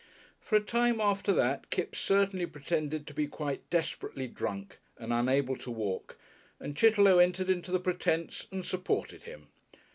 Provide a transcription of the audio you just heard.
For a time after that Kipps certainly pretended to be quite desperately drunk and unable to walk and Chitterlow entered into the pretence and supported him.